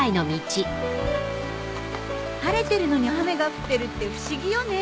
晴れてるのに雨が降ってるって不思議よね。